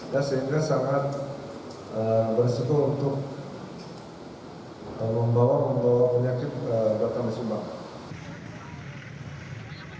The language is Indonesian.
sehingga sangat bersyukur untuk membawa penyakit datang di subang